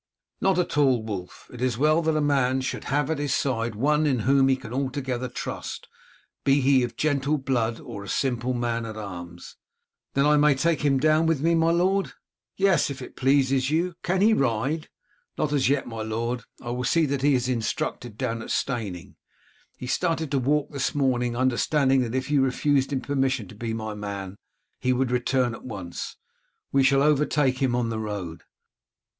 "Not at all, Wulf; it is well that a man should have at his side one in whom he can altogether trust, be he of gentle blood or simple man at arms." "Then I may take him down with me, my lord?" "Yes, if it pleases you. Can he ride?" "Not as yet, my lord, I will see that he is instructed down at Steyning. He started to walk this morning, understanding that if you refused him permission to be my man he would at once return. We shall overtake him on the road."